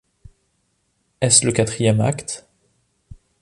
Est-ce le quatrième acte?